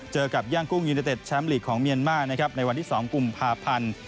กับย่างกุ้งยูเนเต็ดแชมป์ลีกของเมียนมานะครับในวันที่๒กุมภาพันธ์